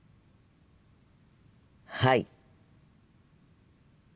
はい。